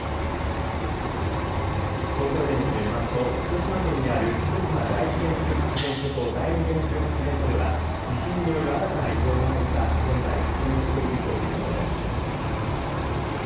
東京電力によりますと福島県にある福島第一原子力発電所と第ニ原子力発電所では地震による新たな異常がないか現在確認しているということです。